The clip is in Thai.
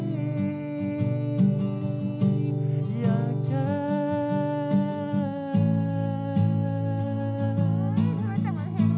อยากเจอ